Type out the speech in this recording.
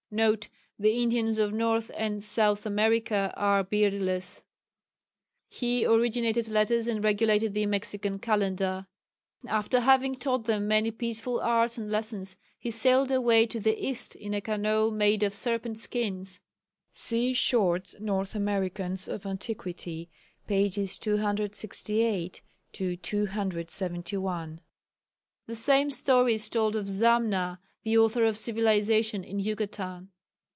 (N.B. The Indians of North and South America are beardless.) He originated letters and regulated the Mexican calendar. After having taught them many peaceful arts and lessons he sailed away to the east in a canoe of serpent skins (see Short's North Americans of Antiquity, pp. 268 271). The same story is told of Zamna, the author of civilization in Yucatan.